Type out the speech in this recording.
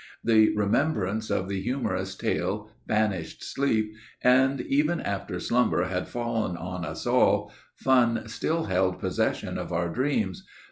The remembrance of the humorous tale banished sleep, and, even after slumber had fallen on us all, fun still held possession of our dreams.